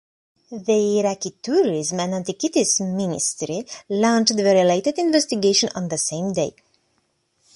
The Iraqi Tourism and Antiquities Ministry launched the related investigation on the same day.